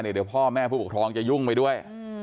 เดี๋ยวพ่อแม่ผู้ปกครองจะยุ่งไปด้วย